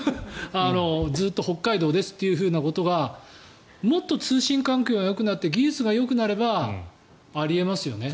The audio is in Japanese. ずっと北海道ですっていうことがもっと通信環境がよくなって技術がよくなればあり得ますよね。